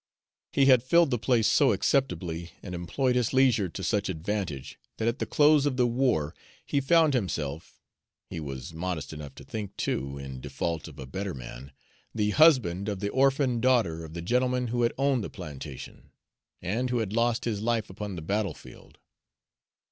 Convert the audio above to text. He had filled the place so acceptably, and employed his leisure to such advantage, that at the close of the war he found himself he was modest enough to think, too, in default of a better man the husband of the orphan daughter of the gentleman who had owned the plantation, and who had lost his life upon the battlefield.